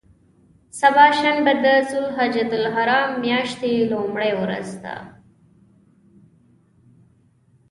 سبا شنبه د ذوالحجة الحرام میاشتې لومړۍ ورځ ده.